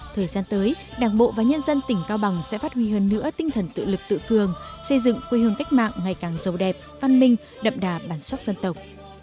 thời gian tới đảng bộ và nhân dân tỉnh cao bằng sẽ phát huy hơn nữa tinh thần tự lực tự cường xây dựng quê hương cách mạng ngày càng giàu đẹp văn minh đậm đà bản sắc dân tộc